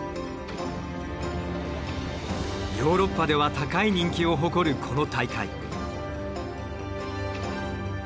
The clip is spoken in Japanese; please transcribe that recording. ヨーロッパでは高い人気を誇るこの大会。